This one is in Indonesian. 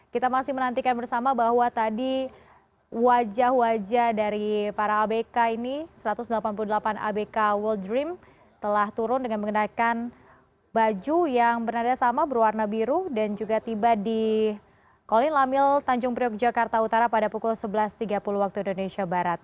kita masih menantikan bersama bahwa tadi wajah wajah dari para abk ini satu ratus delapan puluh delapan abk world dream telah turun dengan mengenakan baju yang bernada sama berwarna biru dan juga tiba di kolin lamil tanjung priok jakarta utara pada pukul sebelas tiga puluh waktu indonesia barat